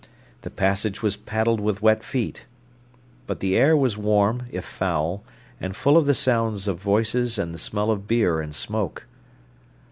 The passage was paddled with wet feet. But the air was warm, if foul, and full of the sound of voices and the smell of beer and smoke.